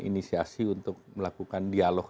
inisiasi untuk melakukan dialog